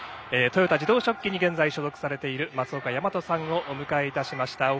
豊田自動織機に現在所属されている松岡大和さんをお迎えいたしました。